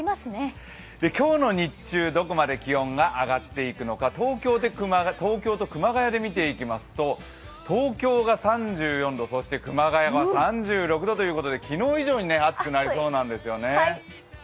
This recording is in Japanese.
今日の日中、どこまで気温が上がっていくのか、東京と熊谷で見ていきますと東京が３４度、熊谷が３６度ということで昨日以上に暑くなりそうなんですよね。